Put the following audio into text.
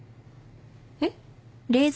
えっ？